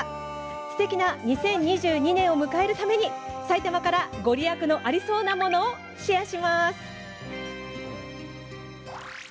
すてきな２０２２年を迎えるために埼玉県から御利益のありそうなものをシェアします。